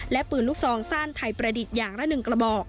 และปืนลูกซองสั้นไทยประดิษฐ์อย่างละ๑กระบอก